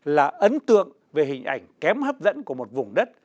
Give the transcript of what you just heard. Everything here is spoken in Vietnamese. là ấn tượng về hình ảnh kém hấp dẫn của một vùng đất